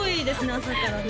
朝からね